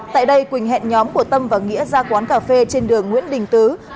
tại đây quỳnh hẹn nhóm của tâm và nghĩa ra quán cà phê trên đường nguyễn đình tứ